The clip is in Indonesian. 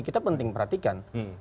kita penting perhatikan